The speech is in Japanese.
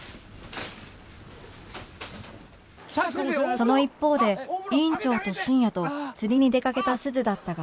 その一方で院長と深夜と釣りに出掛けた鈴だったが